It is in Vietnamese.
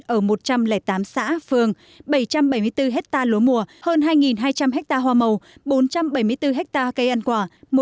ở một trăm linh tám xã phường bảy trăm bảy mươi bốn hectare lúa mùa hơn hai hai trăm linh ha hoa màu bốn trăm bảy mươi bốn hectare cây ăn quả